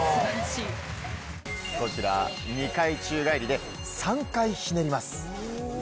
こちら２回宙返りで３回ひねります。